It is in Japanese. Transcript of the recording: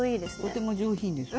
とても上品です。